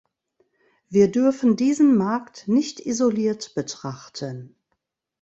Wir dürfen diesen Markt nicht isoliert betrachten.